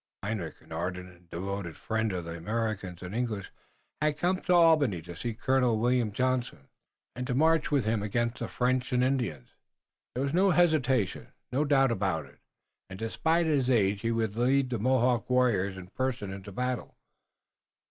Hendrik, an ardent and devoted friend of the Americans and English, had come to Albany to see Colonel William Johnson, and to march with him against the French and Indians. There was no hesitation, no doubt about him, and despite his age he would lead the Mohawk warriors in person into battle.